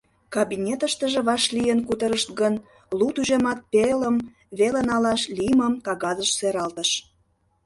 Кабинетыштыже вашлийын кутырышт гын, лу тӱжемат пелым веле налаш лиймым кагазыш сералтыш.